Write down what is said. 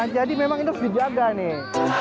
jadi memang ini harus dijaga nih